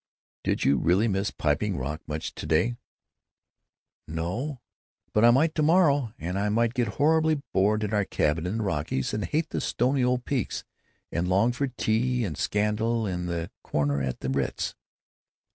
"Did you really miss Piping Rock much to day?". "No—but I might to morrow, and I might get horribly bored in our cabin in the Rockies and hate the stony old peaks, and long for tea and scandal in a corner at the Ritz."